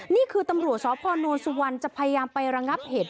นี่คือตำรวจสพนสุวรรณจะพยายามไประงับเหตุ